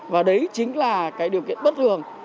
và đấy chính là cái điều kiện bất thường